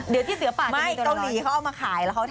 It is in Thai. เดี๋ยวที่เสือป่าจะมีตัวละร้อย